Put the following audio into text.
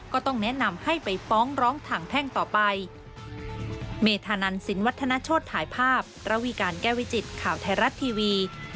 ก็ต้องแนะนำให้ไปฟ้องร้องทางแพ่งต่อไป